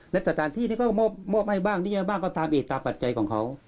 และสถานที่นี่ก็มอบให้บ้างหรือยังไงบ้างก็ตามอีกตามปัจจัยของเขา